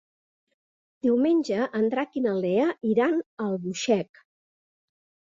Diumenge en Drac i na Lea iran a Albuixec.